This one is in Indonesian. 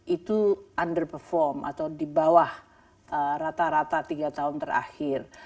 itu under perform atau di bawah rata rata tiga tahun terakhir